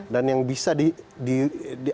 dan yang bisa di